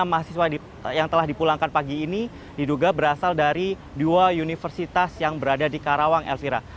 enam mahasiswa yang telah dipulangkan pagi ini diduga berasal dari dua universitas yang berada di karawang elvira